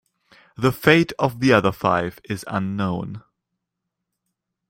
The fate of the other five is unknown.